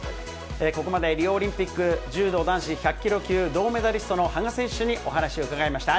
ここまで、リオオリンピック柔道男子１００キロ級銅メダリストの羽賀選手にお話を伺いました。